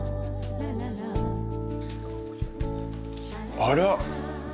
あら。